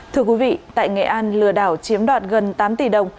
thưa quý vị tại nghệ an lừa đảo chiếm đoạt gần tám tỷ đồng